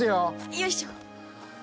よいしょ。